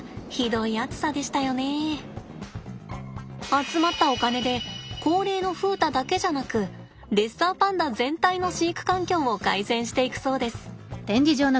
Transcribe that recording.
集まったお金で高齢の風太だけじゃなくレッサーパンダ全体の飼育環境を改善していくそうです。